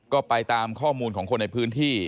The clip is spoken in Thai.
ก็ไปตามข้อมูลของคนในพื้นที่